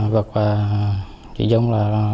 vực và chị dung